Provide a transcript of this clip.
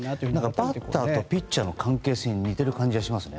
バッターとピッチャーの関係性に似ている感じがします。